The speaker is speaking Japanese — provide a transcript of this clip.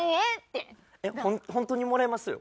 本当にもらいますよ。